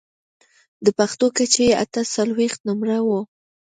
د پښو کچه يې اته څلوېښت نمبره وه.